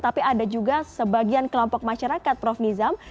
tapi ada juga sebagian kelompok masyarakat prof nizam